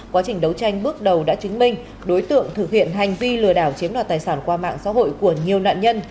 quá trình đấu tranh bước đầu đã chứng minh đối tượng thực hiện hành vi lừa đảo chiếm đoạt tài sản qua mạng xã hội của nhiều nạn nhân